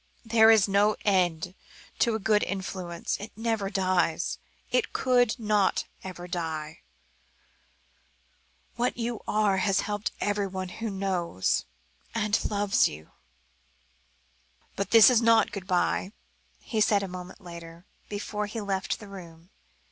"There is no end to a good influence; it never dies; it could not ever die. What you are has helped everyone who knows and loves you." "But this is not good bye," he said a moment later, before he left the room.